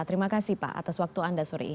terima kasih pak atas waktu anda sore ini